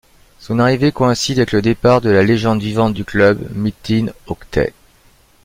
Son arrivée coïncide avec le départ de la légende vivante du club, Metin Oktay.